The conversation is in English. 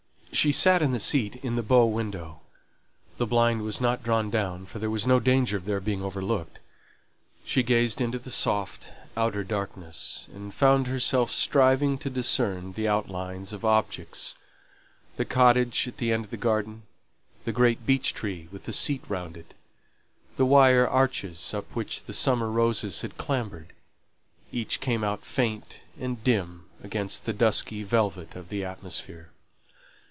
She sate in the seat in the bow window; the blind was not drawn down, for there was no danger of their being overlooked. She gazed into the soft outer darkness, and found herself striving to discern the outlines of objects the cottage at the end of the garden the great beech tree with the seat round it the wire arches, up which the summer roses had clambered; each came out faint and dim against the dusky velvet of the atmosphere.